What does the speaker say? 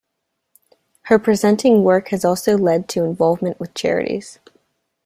Her presenting work has also led to involvement with charities.